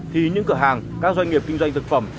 thì những cửa hàng các doanh nghiệp kinh doanh thực phẩm